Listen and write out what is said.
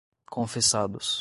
confessados